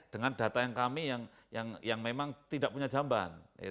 dengan data yang kami yang memang tidak punya jamban